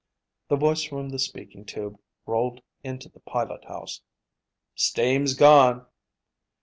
The voice from the speaking tube rolled into the pilot house. "Steam's gone!"